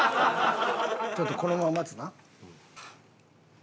ちょっとこのまま待つな。